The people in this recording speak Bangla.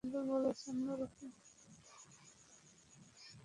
তবে এবারের টি-টোয়েন্টি বিশ্বকাপের সুপার টেন পর্বের পরিসংখ্যান বলছে অন্য রকম।